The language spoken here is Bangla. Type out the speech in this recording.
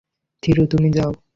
থিরু, তুমি যাও।